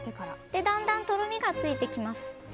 だんだんとろみがついてきます。